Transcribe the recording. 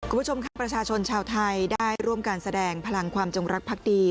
คุณผู้ชมค่ะประชาชนชาวไทยได้ร่วมการแสดงพลังความจงรักพักดี